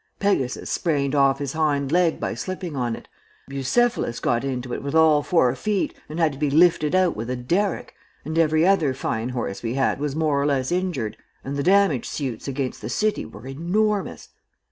Pegasus sprained his off hind leg by slipping on it, Bucephalus got into it with all four feet and had to be lifted out with a derrick, and every other fine horse we had was more or less injured, and the damage suits against the city were enormous.